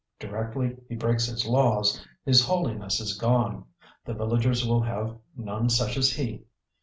Directly he breaks his laws, his holiness is gone. The villagers will have none such as he.